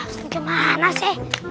asun kemana sih